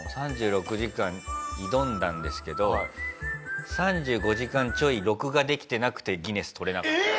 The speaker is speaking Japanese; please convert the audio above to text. ３６時間挑んだんですけど３５時間ちょい録画できてなくてギネス取れなかった。